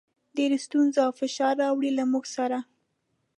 ډېرې ستونزې او فشار راولي، له موږ سره.